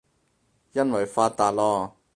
因爲發達囉